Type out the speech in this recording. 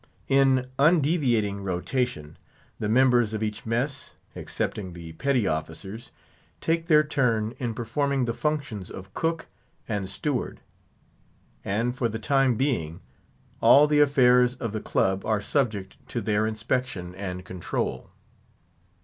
In undeviating rotation, the members of each mess (excepting the petty officers) take their turn in performing the functions of cook and steward. And for the time being, all the affairs of the club are subject to their inspection and control.